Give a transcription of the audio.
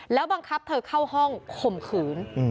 แล้วบังคับเธอเข้าห้องข่มขืน